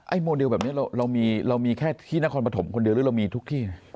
โมเดลแบบนี้เรามีแค่ที่นครปฐมคนเดียวหรือเรามีทุกที่นะ